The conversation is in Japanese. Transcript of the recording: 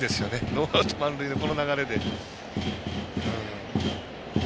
ノーアウト、満塁のこの流れで。